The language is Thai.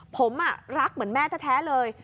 ผมรักเหมือนแม่แท้เลย